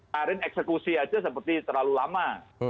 karin eksekusi aja seperti terlalu lama